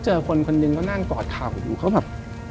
เจอคนคนหนึ่งเขานั่งกอดเข่าอยู่เขาแบบ